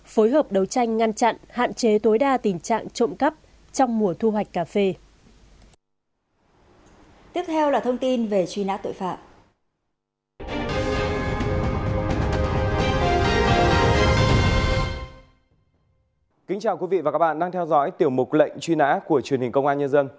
phối hợp đấu tranh ngăn chặn hạn chế tối đa tình trạng trộm cắp trong mùa thu hoạch cà phê